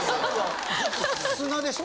砂でしょ？